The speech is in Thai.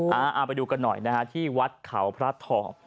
เอาไปดูกันหน่อยนะฮะที่วัดเขาพระทอง